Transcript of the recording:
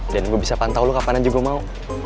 dan gue bisa pantau lo kapan aja gue mau